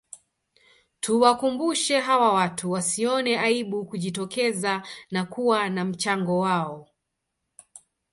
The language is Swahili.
Tuwakumbushe hawa watu wasione aibu kujitokeza na kuwa na mchango wao